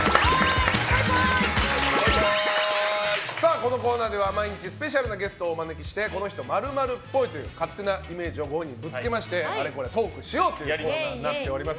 このコーナーでは毎日スペシャルなゲストをお招きしてこの人〇〇っぽいという勝手なイメージをご本人にぶつけましてあれこれトークしようというコーナーになっています。